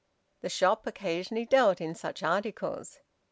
The shop occasionally dealt in such articles.